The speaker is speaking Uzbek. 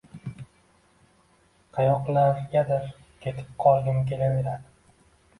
Qayoqlargadir ketib qolgim kelaveradi